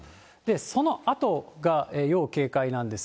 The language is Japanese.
そのあとが要警戒なんです。